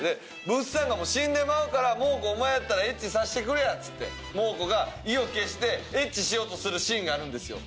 ぶっさんが「死んでまうからモー子お前やったらエッチさせてくれや」っつってモー子が意を決してエッチしようとするシーンがあるんですよ。